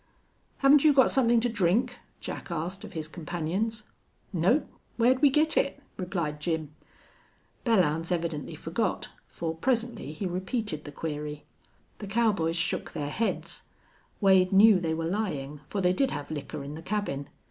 "Haven't you got something to drink?" Jack asked of his companions. "Nope. Whar'd we git it?" replied Jim. Belllounds evidently forgot, for presently he repeated the query. The cowboys shook their heads. Wade knew they were lying, for they did have liquor in the cabin.